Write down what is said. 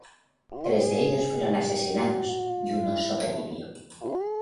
Tres de ellos fueron asesinados y uno sobrevivió.